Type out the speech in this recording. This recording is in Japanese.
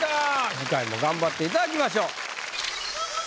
次回も頑張っていただきましょう。